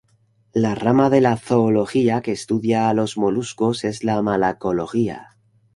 La rama de la zoología que estudia a los moluscos es la malacología.